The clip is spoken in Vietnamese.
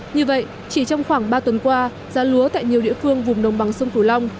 như vậy chỉ trong khoảng ba tuần qua giá lúa tại nhiều địa phương vùng đồng bằng sông cửu long